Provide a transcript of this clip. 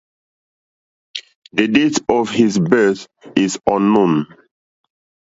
The date of his birth is unknown.